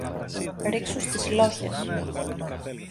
Ρίξου στις λόγχες